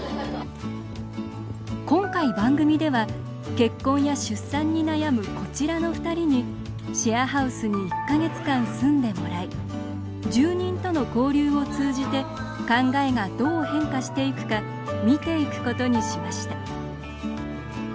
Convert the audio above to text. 今回、番組では結婚や出産に悩むこちらのふたりにシェアハウスに１か月間住んでもらい住人との交流を通じて考えがどう変化していくか見ていくことにしました。